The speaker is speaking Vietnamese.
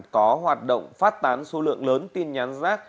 có hoạt động phát tán số lượng lớn tin nhắn rác